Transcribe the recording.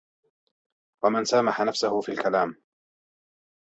وَمَنْ سَامَحَ نَفْسَهُ فِي الْكَلَامِ